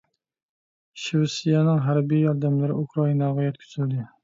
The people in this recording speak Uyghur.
شىۋېتسىيەنىڭ ھەربىي ياردەملىرى ئۇكرائىناغا يەتكۈزۈلدى.